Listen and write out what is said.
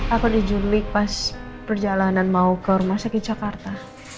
aku dijumlik pas perjalanan mau ke rumah sakit jakarta